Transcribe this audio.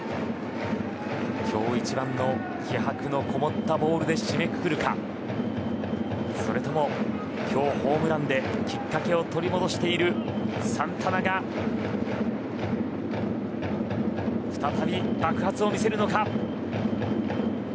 今日一番の気迫のこもったボールで締めくくるかそれとも今日ホームランできっかけを取り戻しているサンタナが再び爆発を見せるか。